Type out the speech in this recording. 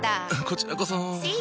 こちらこそ。